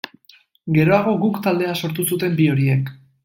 Geroago Guk taldea sortu zuten bi horiek.